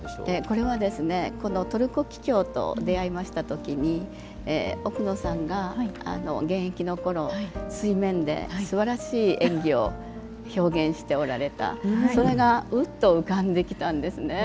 これは、トルコキキョウと出会いました時に奥野さんが現役のころ水面ですばらしい演技を表現しておられた、それがうっと浮かんできたんです。